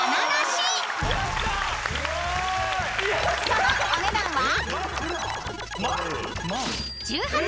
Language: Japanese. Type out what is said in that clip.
［そのお値段は？］